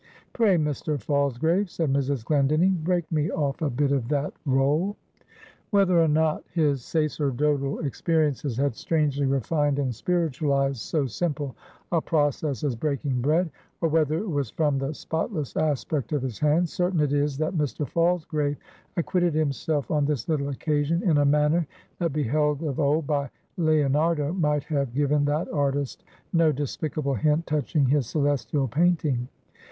"Pray, Mr. Falsgrave," said Mrs. Glendinning, "break me off a bit of that roll." Whether or not his sacerdotal experiences had strangely refined and spiritualized so simple a process as breaking bread; or whether it was from the spotless aspect of his hands: certain it is that Mr. Falsgrave acquitted himself on this little occasion, in a manner that beheld of old by Leonardo, might have given that artist no despicable hint touching his celestial painting.